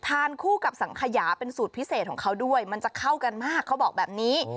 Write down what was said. ทานคู่กับสังขยาเป็นสูตรพิเศษของเขาด้วยมันจะเข้ากันมากเขาบอกแบบนี้